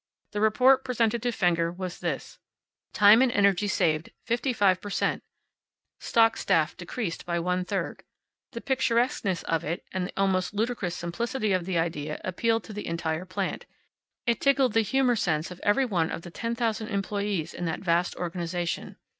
The report presented to Fenger was this: Time and energy saved, fifty five per cent; stock staff decreased by one third. The picturesqueness of it, the almost ludicrous simplicity of the idea appealed to the entire plant. It tickled the humor sense in every one of the ten thousand employees in that vast organization.